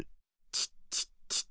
チッチッチッチッ。